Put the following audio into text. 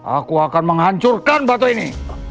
aku akan menghancurkan batu ini